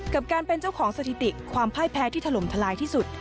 กับการเป็นเจ้าของสถิติความพ่ายแพ้ที่ถล่มทลายที่สุด